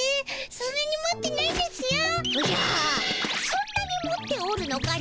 そんなに持っておるのかの？